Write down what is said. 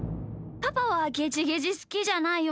パパはゲジゲジすきじゃないよね？